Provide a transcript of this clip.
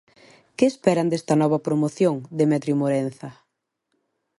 Que esperan desta nova promoción, Demetrio Morenza?